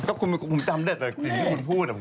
ก็คุณไม่คุณจำได้เลยคุณพูด